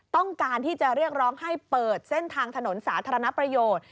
ต้องการที่จะเรียกร้องให้เปิดเส้นทางถนนสาธารณประโยชน์